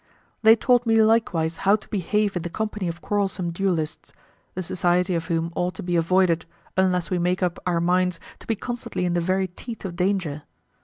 They taught me likewise how to behave in the company of quarrelsome duellists, the society of whom ought to be avoided, unless we make up our mind to be constantly in the very teeth of danger.